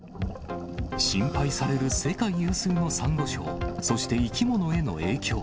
心配される世界有数のサンゴ礁、そして生き物への影響。